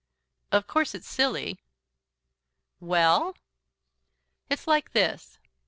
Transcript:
"Of course it's silly." "Well?" "It's like this.